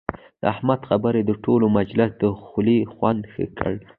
د احمد خبرو د ټول مجلس د خولې خوند ښه کړ.